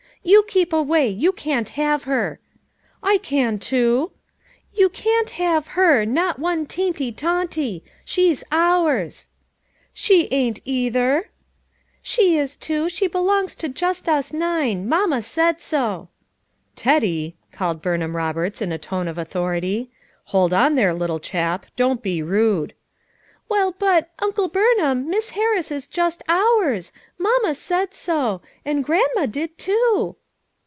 "You keep away! You can't have her." "lean, too !" "You can't have her, not one teenty tawnty ! She's ours!" "She ain't either!" "She is, too! She belongs to just us nine; Mamma said so." "Teddy!" called Burnham Roberts in a tone of authority. "Hold on there, little chap; don't be rude," "Well, but — Uncle Burnham, Miss Harris is just ours; Mamma said so; and Grandma did, too."